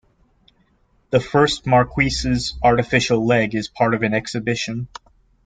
The first Marquess's artificial leg is part of an exhibition.